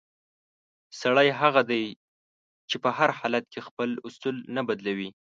سړی هغه دی چې په هر حالت کې خپل اصول نه بدلوي.